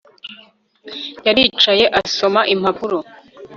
Yaricaye asoma impapuro